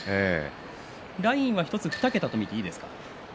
ラインは２桁と見ていいですか。